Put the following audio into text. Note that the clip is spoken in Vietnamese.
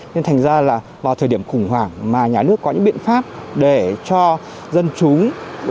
nên thành ra là vào thời điểm khủng hoảng mà nhà nước có những biện pháp để cho dân chúng